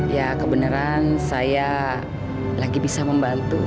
ya kebenaran saya lagi bisa membantu